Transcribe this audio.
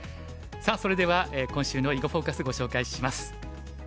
さあそれでは今週の「囲碁フォーカス」ご紹介します。